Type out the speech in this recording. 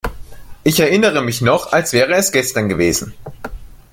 Ich erinnere mich noch, als wäre es gestern gewesen.